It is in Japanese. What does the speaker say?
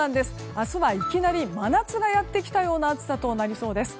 明日はいきなり真夏がやってきたような暑さとなりそうです。